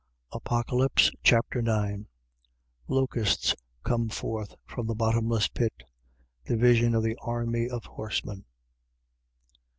Apocalypse Chapter 9 Locusts come forth from the bottomless pit. The vision of the army of horsemen.